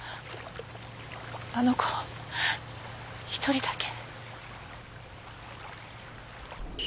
あの子一人だけ。